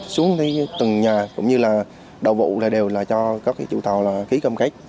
xuống từng nhà cũng như là đầu vụ đều là cho các chủ tàu khí cơm cách